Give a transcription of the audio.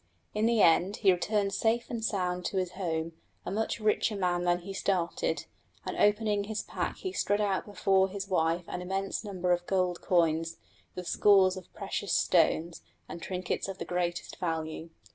In the end he returned safe and sound to his home, a much richer man than when he started; and opening his pack he spread out before his wife an immense number of gold coins, with scores of precious stones, and trinkets of the greatest value.